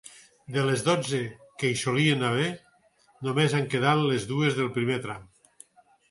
De les dotze que hi solien haver, només han quedat les dues del primer tram.